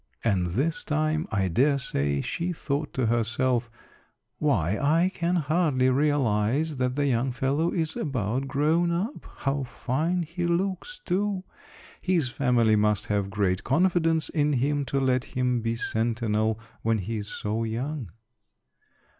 And this time I dare say she thought to herself, "Why, I can hardly realize that the young fellow is about grown up; how fine he looks, too; his family must have great confidence in him to let him be sentinel when he is so young."